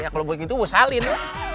kalau begitu gue saling